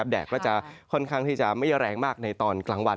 แดดก็จะค่อนข้างที่จะไม่แรงมากในตอนกลางวัน